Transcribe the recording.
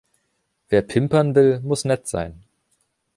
Wer pimpern will, muß nett sein.